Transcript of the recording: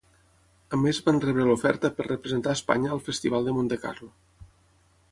A més van rebre l'oferta per representar Espanya al Festival de Montecarlo.